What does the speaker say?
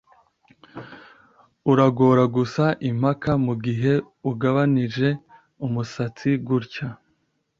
Uragora gusa impaka mugihe ugabanije umusatsi gutya